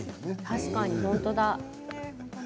確かに、本当だ。